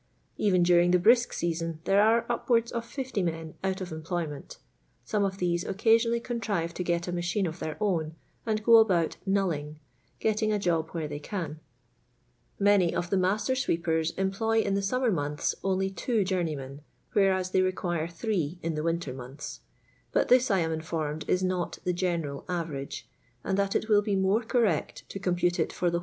Eren during the brisk season there are upwards of 60 men out of employment ; some of these occasionally contrive to g«t a machine of their own, and go about " knulling,"— getting a job where they can. Many of the master sweepen employ in the summer months only two journeymen, whereas they require three in' the winter months; but this, I am informed, is not the general average, and that it will be more correct to compute it for the whole trade, in the proportion of two and a half to two.